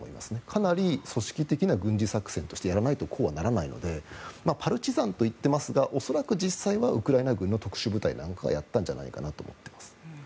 かなり組織的な軍事作戦としてやらないとこうはならないのでパルチザンと言っていますが恐らく、実際はウクライナ軍の特殊部隊なんかがやったんじゃないかと思っています。